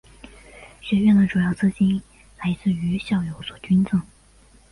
学院的主要资金来自于校友所捐赠。